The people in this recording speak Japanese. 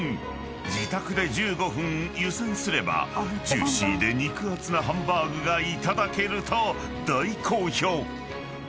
［自宅で１５分湯せんすればジューシーで肉厚なハンバーグがいただけると大好評！］